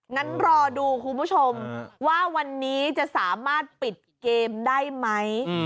งั้นรอดูคุณผู้ชมว่าวันนี้จะสามารถปิดเกมได้ไหม